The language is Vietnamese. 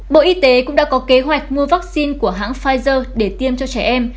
bộ y tế cũng đã có kế hoạch mua vaccine của hãng pfizer để tiêm cho trẻ em